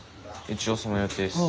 一応その予定っす。